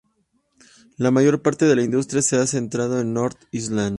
La mayor parte de la industria se ha centrado en North Island.